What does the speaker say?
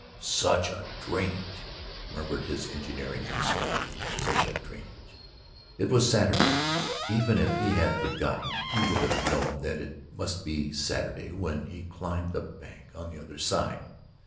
"Such a drainage," murmured his engineering instinct. "Such a drainage!" It was Saturday. Even if he had forgotten he would have known that it must be Saturday when he climbed the bank on the other side.